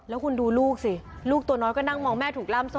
แล้วคุณดูลูกสิลูกตัวน้อยก็นั่งมองแม่ถูกล่ามโซ